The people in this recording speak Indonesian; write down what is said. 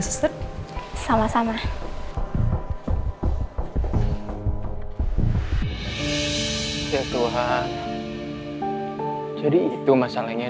sama sama ya tuhan jadi itu masalahnya